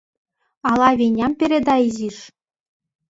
«Ала Веням переда изиш?